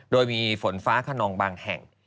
โดยมีฝนฟ้าขนองบางแห่ง